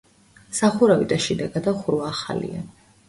სახურავი და შიდა გადახურვა ახალია.